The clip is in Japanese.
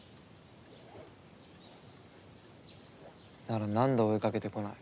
ならなんで追いかけてこない？